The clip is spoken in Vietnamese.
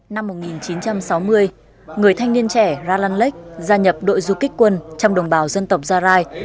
năm một nghìn chín trăm sáu mươi người thanh niên trẻ ra lăng lách gia nhập đội du kích quân trong đồng bào dân tộc gia rai